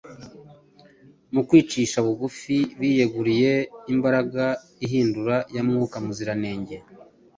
Mu kwicisha bugufi biyeguriye imbaraga ihindura ya Mwuka Muziranenge,